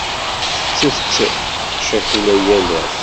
Tettet ccakula yal ass.